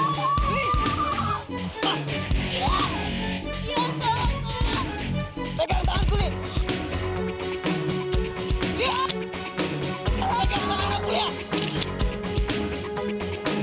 lo anak ben beneran